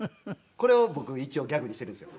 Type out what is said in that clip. これを僕一応ギャグにしているんですよ。